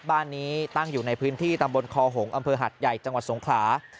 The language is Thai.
บ้านนี้ตั้งอยู่ในพื้นที่ตำบลคอหงษ์อำเภอหัดใหญ่จังหวัดสงขลา